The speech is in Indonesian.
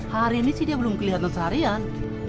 hari ini sih dia belum kelihatan seharian